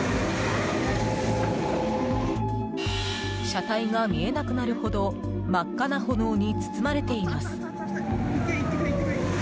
車体が見えなくなるほど真っ赤な炎に包まれています。